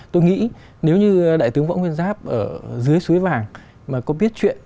tôi nghĩ nếu như đại tướng võ nguyên giáp ở dưới suối vàng mà có biết chuyện